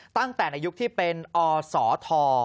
ตั้งแต่ในยุคที่เป็นอศท